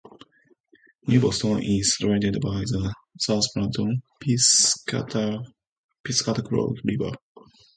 New Boston is drained by the South Branch Piscataquog River.